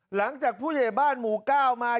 หลังจากผู้เยบบ้านหมูก้าวมา